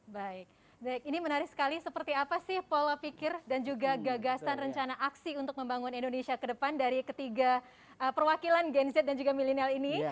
baik baik ini menarik sekali seperti apa sih pola pikir dan juga gagasan rencana aksi untuk membangun indonesia ke depan dari ketiga perwakilan gen z dan juga milenial ini